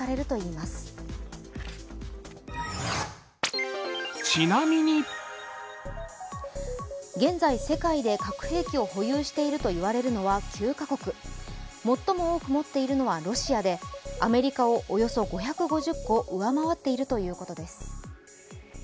ちなみに、現在、世界で核兵器を保有していると言われるのは９か国最も多く持っているのはロシアで、アメリカをおよそ５５０個上回っているということです。